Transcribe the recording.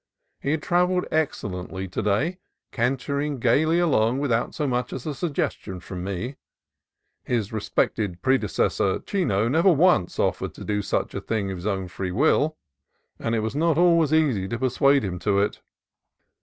He had travelled excellently to day, cantering gaily along without so much as a suggestion from me. His respected predecessor, Chino, never once of fered to do such a thing of his own free will, and it was not always easy to persuade him to it.